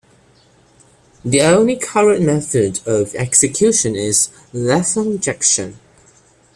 The only current method of execution is lethal injection.